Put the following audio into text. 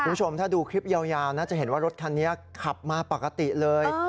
คุณผู้ชมถ้าดูคลิปยาวน่าจะเห็นว่ารถคันนี้ขับมาปกติเลย